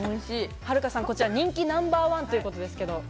はるかさん、人気ナンバーワンということです。